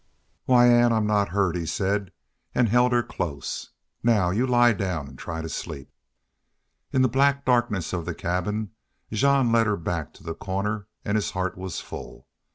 "Why, Ann, I'm not hurt," he said, and held her close. "Now you lie down an' try to sleep." In the black darkness of the cabin Jean led her back to the corner and his heart was full.